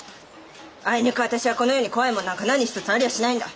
あいにく私はこの世に怖いもんなんか何一つありゃしないんだ。